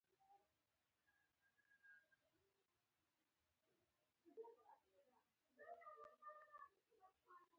هغه وویل: زه ریښتیا وایم، هغه سټریسا ته ولاړه.